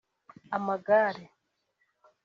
Amagare